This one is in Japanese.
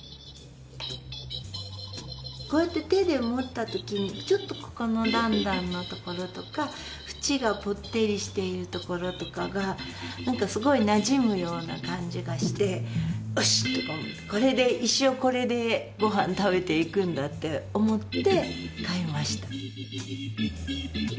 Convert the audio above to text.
こうやって手で持った時にちょっとここの段々のところとか縁がぽってりしているところとかが何かすごいなじむような感じがしてよしこれで一生これでごはん食べていくんだって思って買いました。